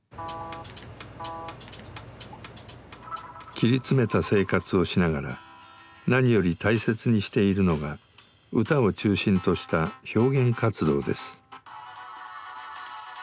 切り詰めた生活をしながら何より大切にしているのが歌を中心とした表現活動です。